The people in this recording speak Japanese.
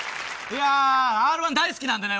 Ｒ−１大好きなんでね